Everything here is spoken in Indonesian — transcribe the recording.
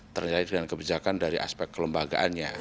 terkait dengan kebijakan dari aspek kelembagaannya